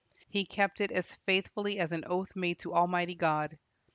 He kept it as faithfully as an oath made to Almighty God.